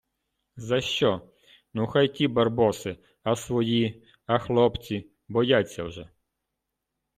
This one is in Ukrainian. За що? Ну, хай ті барбоси, а свої, а хлопці? Бояться вже.